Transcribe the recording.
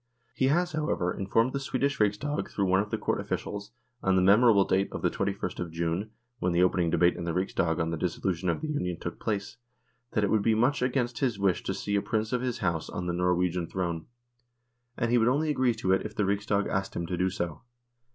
He has, however, informed the Swedish Riksdag, through one of the Court officials, on the memorable date of the 2ist of June, when the open ing debate in the Riksdag on the dissolution of the Union took place, that it would be much against his wish to see a Prince of his House on the Norwegian THE DISSOLUTION OF THE UNION 155 throne, and he would only agree to it if the Riksdag asked him to do so.